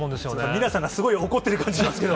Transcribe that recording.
ミラさんがすごい怒ってる感じがするんですけど。